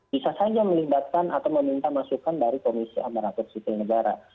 bisa saja melibatkan atau meminta masukan dari komisi amaratur sipil negara